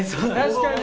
確かに。